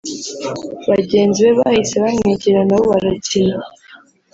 bagenzi be bahise bamwegera nabo barakina